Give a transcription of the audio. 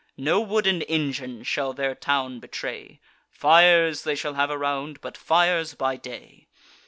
No wooden engine shall their town betray; Fires they shall have around, but fires by day.